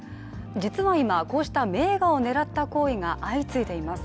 実は今、こうした名画を狙った行為が相次いでいます。